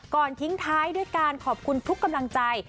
ทิ้งท้ายด้วยการขอบคุณทุกกำลังใจ